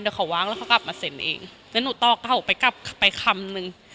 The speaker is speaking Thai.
เดี๋ยวเขาวางแล้วเขากลับมาเซ็นเองแล้วหนูต่อเขาไปกลับไปคำนึง